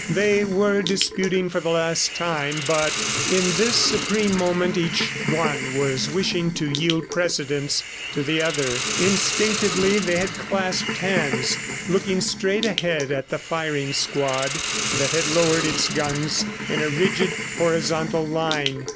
They were disputing for the last time, but in this supreme moment each one was wishing to yield precedence to the other. Instinctively they had clasped hands, looking straight ahead at the firing squad, that had lowered its guns in a rigid, horizontal line.